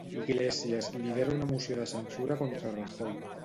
Iglesias lidera una moció de censura contra Rajoy.